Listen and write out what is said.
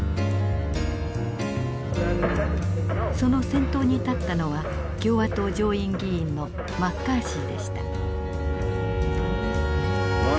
その先頭に立ったのは共和党上院議員のマッカーシーでした。